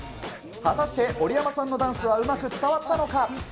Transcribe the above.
果たして織山さんのダンスはうまく伝わったのか。